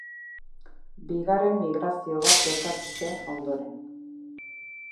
Bigarren migrazio bat gertatu zen ondoren.